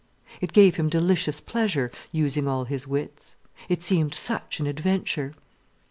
It gave him delicious pleasure, using all his wits. It seemed such an adventure.